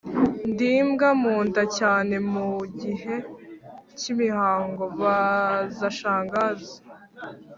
Ndibwa munda cyane mu gihe cy'imihango-Baza Shangazi